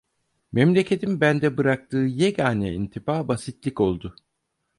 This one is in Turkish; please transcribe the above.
Memleketin bende bıraktığı yegane intiba basitlik oldu.